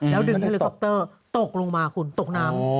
ดึงเฮลิคอปเตอร์ตกลงมาคุณตกน้ำ